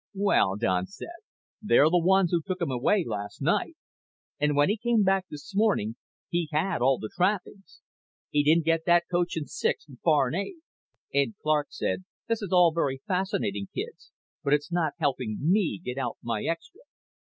"Well," Don said, "they're the ones who took him away last night. And when he came back this morning he had all the trappings. He didn't get that coach and six from foreign aid." Ed Clark said, "This is all very fascinating, kids, but it's not helping me get out my extra.